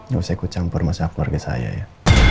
gak usah ikut campur masalah keluarga saya ya